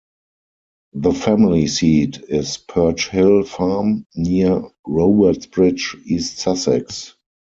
The family seat is Perch Hill Farm, near Robertsbridge, East Sussex.